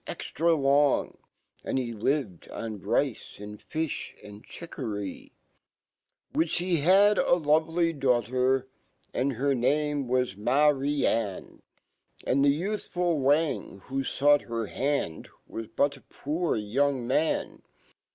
extra long, And he 1 i ved on vice and filh and chiccory ^4i ^ Which ne had alovoly daughter, .= And hernarriewas/lai Ri An, And the youfhful NVang \^ho sought he/r Hand v^aj but a poor yung man.)